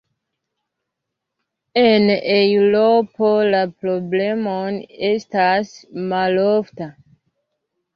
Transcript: En Eŭropo la problemo estas malofta.